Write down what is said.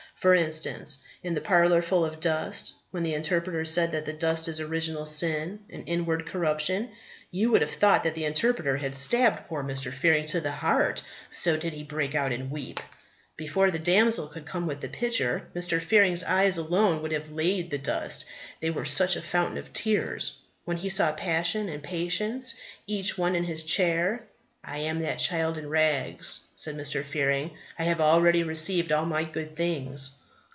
For instance, in the parlour full of dust, when the Interpreter said that the dust is original sin and inward corruption, you would have thought that the Interpreter had stabbed poor Mr. Fearing to the heart, so did he break out and weep. Before the damsel could come with the pitcher, Mr. Fearing's eyes alone would have laid the dust, they were such a fountain of tears. When he saw Passion and Patience, each one in his chair "I am that child in rags," said Mr. Fearing; "I have already received all my good things!"